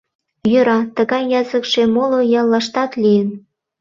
Йӧра, тыгай языкше моло яллаштат лийын.